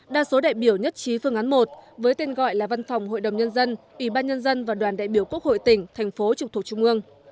đa số đại biểu nhất trí phương án một với tên gọi là văn phòng hội đồng nhân dân ủy ban nhân dân và đoàn đại biểu quốc hội tỉnh thành phố trực thuộc trung ương